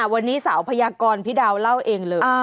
วันนี้สาวพยากรพี่ดาวเล่าเองเลย